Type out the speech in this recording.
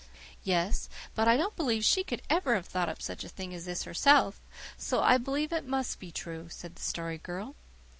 "Yes; but I don't believe she could ever have thought of such a thing as this herself, so I believe it must be true," said the Story Girl.